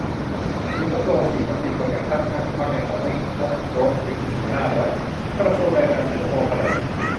สิงคโปร์ฉีดวัคซีนคนงานข้ามชาติที่พักในหอได้ครบโดสถึงหนึ่งในห้าแล้ว - กระทรวงแรงงานสิงคโปร์แถลง